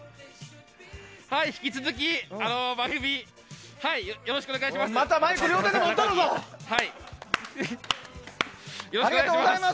引き続き番組よろしくお願いします。